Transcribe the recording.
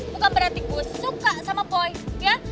bukan berarti gue suka sama pois ya